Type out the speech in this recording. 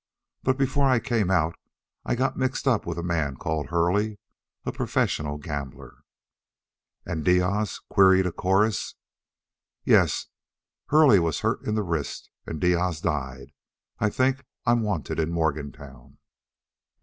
But before I came out I got mixed up with a man called Hurley, a professional gambler." "And Diaz?" queried a chorus. "Yes. Hurley was hurt in the wrist and Diaz died. I think I'm wanted in Morgantown."